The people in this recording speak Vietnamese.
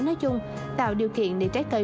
nói chung tạo điều kiện để trái cây